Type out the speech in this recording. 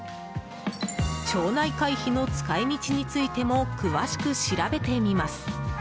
町内会費の使い道についても詳しく調べてみます。